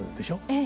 ええ。